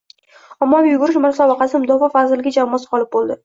Ommaviy yugurish musobaqasida Mudofaa vazirligi jamoasi g‘olib bo‘ldi